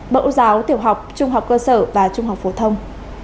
mẫu giáo tiểu học trung học cơ sở và trung học phổ thông